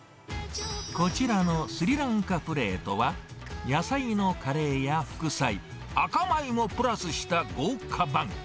こちらのスリランカプレートは、野菜のカレーや副菜、赤米もプラスした豪華版。